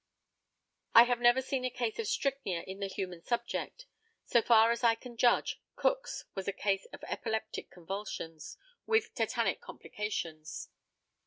I have never seen a case of strychnia in the human subject. So far as I can judge, Cook's was a case of epileptic convulsions, with tetanic complications.